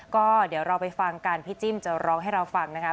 ก็เดี๋ยวเราไปฟังกันพี่จิ้มจะร้องให้เราฟังนะคะ